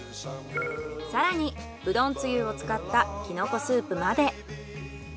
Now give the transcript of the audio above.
更にうどんつゆを使ったキノコスープまで。